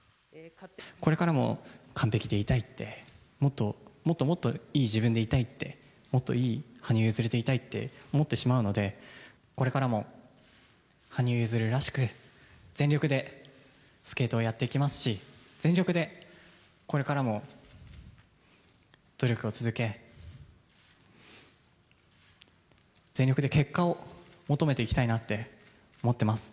これからも完璧でいたいって、もっと、もっともっといい自分でいたいって、もっといい羽生結弦でいたいって思ってしまうので、これからも羽生結弦らしく、全力でスケートをやっていきますし、全力でこれからも努力を続け、全力で結果を求めていきたいなって思ってます。